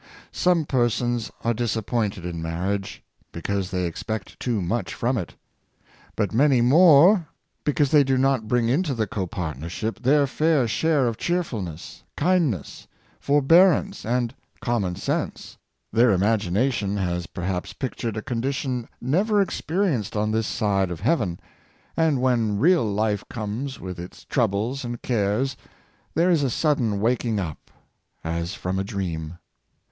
Sotie persons are disappointed in marriage, because they ecpect too much from it ; but many more, because they d> not bring into the co partnership their fair share oi cheerfulness, kindness, forbearance and com 570 The Golden Rule in Marriage, mon sense. Their imagination has perhaps pictured a condition never experienced on this side heaven, and when real life comes with its troubles and cares, there is a sudden waking up as from a dream.